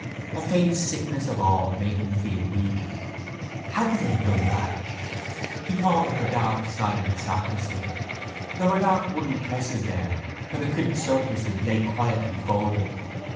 A faint sickness of awe made him feel weak. How could they have done that? He thought of the dark silent sacristy. There were dark wooden presses there where the crimped surplices lay quietly folded.